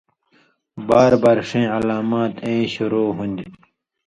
باربار ݜَیں علامات ایں شروع ہُوندیۡ